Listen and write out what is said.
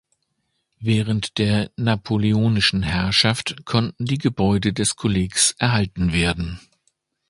Während der napoleonischen Herrschaft konnten die Gebäude des Kollegs erhalten werden.